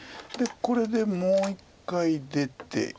これでもう一回出て。